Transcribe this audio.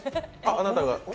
あなたが？